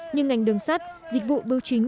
như ngành đường sắt dịch vụ bưu chính